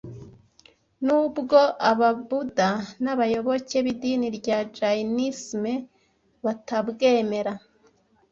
nubwo Ababuda n’abayoboke b’idini rya Jayinisime batabwemera